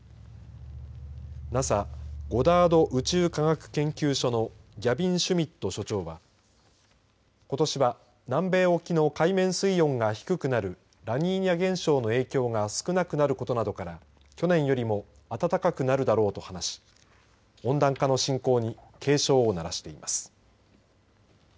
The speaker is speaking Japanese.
ＮＡＳＡゴダード宇宙科学研究所のギャビン・シュミット所長はことしは南米沖の海面水温が低くなるラニーニャ現象の影響が少なくなることなどから去年よりも暖かくなるだろうと話し温暖化の進行に警鐘を鳴らしています。